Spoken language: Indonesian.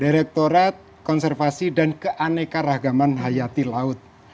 direkturat konservasi dan keanekaragaman hayati laut